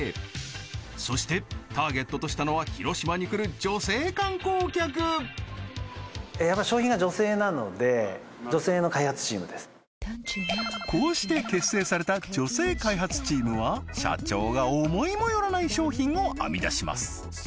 そしてターゲットとしたのはこうして結成された女性開発チームは社長が思いもよらない商品を編み出します